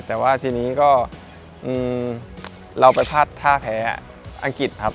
แต่ว่าทีนี้ก็เราไปพลาดท่าแพ้อังกฤษครับ